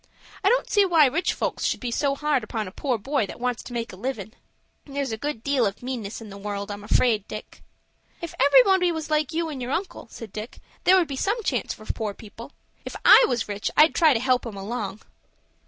I don't see why rich folks should be so hard upon a poor boy that wants to make a livin'." "There's a good deal of meanness in the world, I'm afraid, Dick." "If everybody was like you and your uncle," said Dick, "there would be some chance for poor people. If I was rich I'd try to help 'em along."